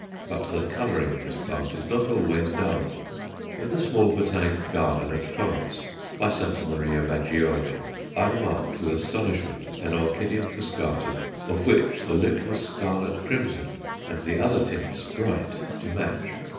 But the colouring of this plant is not always dull. In the small Botanic Garden at Florence, by Santa Maria Maggiore, I remarked with astonishment an Onc. fuscatum, of which the lip was scarlet crimson and the other tints bright to match.